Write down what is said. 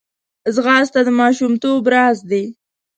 ځغاسته د ماشومتوب راز دی